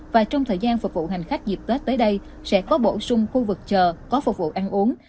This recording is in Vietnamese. và trong thời gian phục vụ hành khách dịp tết tới đây sẽ có bổ sung khu vực chờ có phục vụ ăn uống